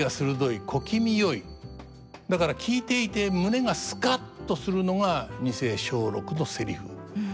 だから聞いていて胸がスカッとするのが二世松緑のせりふ。